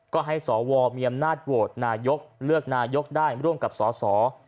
ก็ให้สวมีอำนาจโหวตนายกเลือกนายกได้ร่วมกับสส